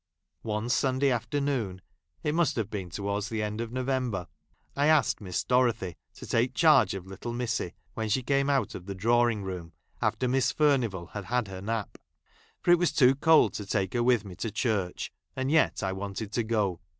One Sunday afternoon, — ^it must have been towards the end of November THE OLD NURSE'S STORY. Charing Dickens.j I — I asked Dorothy to take charge of little ; Missey when, she came out of the drawing¬ room, after Miss Furnivall had had her nap ; i for it was too cold to take her with me to ' church, and yet I wanted to go.